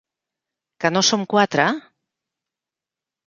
Que no som quatre?